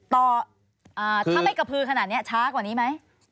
ต่อถ้าไม่กระพือขนาดนี้ช้ากว่านี้ไหม